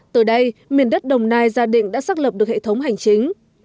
từ đây miền đất đồng nai gia định đã xác lập được hệ thống hành chính